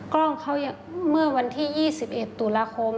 กล้องเขาเมื่อวันที่๒๑ตุลาคม